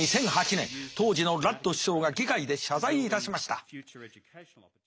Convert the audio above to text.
当時のラッド首相が議会で謝罪いたしました。